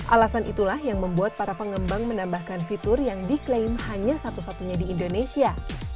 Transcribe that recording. alasan itulah yang membuat para pengembang menambahkan fitur yang diklaim hanya satu satunya di indonesia